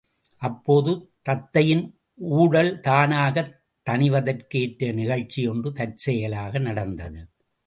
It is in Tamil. அப்போது தத்தையின் ஊடல் தானாகத் தணிவதற்கு ஏற்ற நிகழ்ச்சி ஒன்று தற்செயலாக நடந்தது.